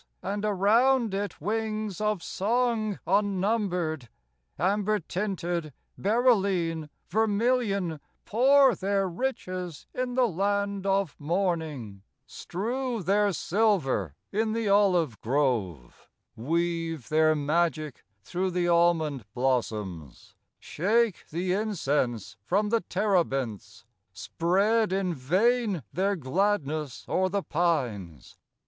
44 And around it wings of song unnumbered, Amber tinted, beryline, vermilion, Pour their riches in the land of mourning, Strew their silver in the olive grove, Weave their magic through the almond blossoms, Shake the incense from the terebinths, Spread in vain their gladness o'er the pines.